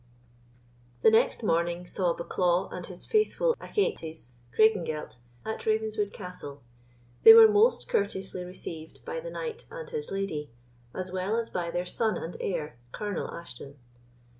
The next morning saw Bucklaw and his faithful Achates, Craigengelt, at Ravenswood Castle. They were most courteously received by the knight and his lady, as well as by their son and heir, Colonel Ashton.